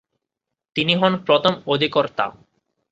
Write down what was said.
তিনি হন প্রথম অধিকর্তা।